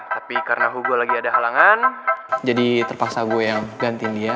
tapi karena aku gue lagi ada halangan jadi terpaksa gue yang gantiin dia